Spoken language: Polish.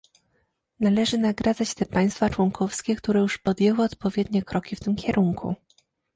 Należy nagradzać te państwa członkowskie, które już podjęły odpowiednie kroki w tym kierunku